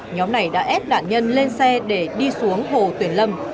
nhóm này đã ép nạn nhân lên xe để đi xuống hồ tuyển lâm